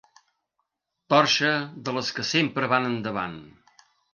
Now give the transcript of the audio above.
Torxa de les que sempre van endavant.